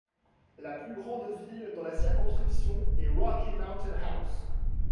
La plus grande ville dans la circonscription est Rocky Mountain House.